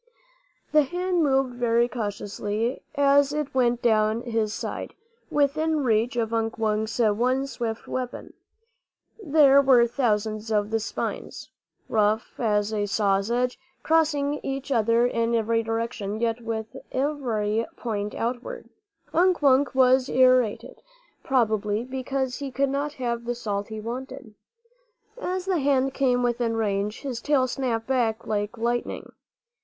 The hand moved very cautiously as it went down his side, within reach of Unk Wunk's one swift weapon. There were thousands of the spines, rough as a saw's edge, crossing each other in every direction, yet with every point outward. Unk Wunk was irritated, probably, because he could not have the salt he wanted. As the hand came within range, his tail snapped back like lightning.